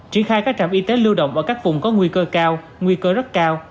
triển khai các trạm y tế lưu động ở các vùng có nguy cơ cao nguy cơ rất cao